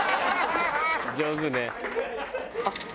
上手ね。